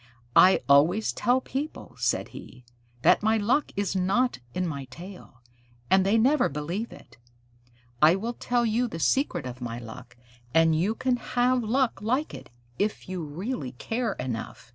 "I always tell people," said he, "that my luck is not in my tail, and they never believe it. I will tell you the secret of my luck, and you can have luck like it, if you really care enough."